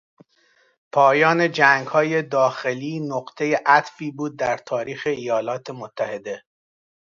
پایان جنگهای داخلی نقطهی عطفی بود در تاریخ ایالات متحده.